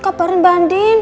kabarin mbak andin